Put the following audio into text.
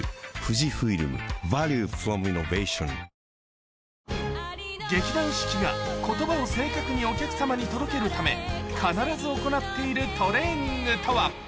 劇団四季の劇団四季が言葉を正確にお客様に届けるため必ず行っているトレーニングとは？